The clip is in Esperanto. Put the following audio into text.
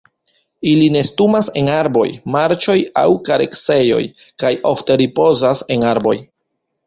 Ili nestumas en arboj, marĉoj aŭ kareksejoj, kaj ofte ripozas en arboj.